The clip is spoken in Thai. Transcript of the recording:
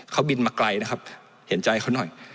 เขาบินมาไกลนะครับเห็นใจเขาหน่อย